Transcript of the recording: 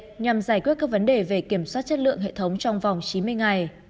nhằm giải quyết các vấn đề về kiểm soát chất lượng hệ thống trong vòng chín mươi ngày